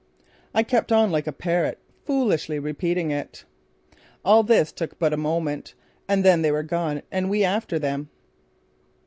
I kept on like a parrot, foolishly repeating it. All this took but a moment and then they were gone and we after them.